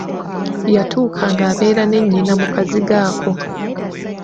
Yatuuka ng'abeera ne nnyina mu kazigo ako.